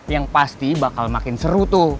yang pasti bakal makin seru tuh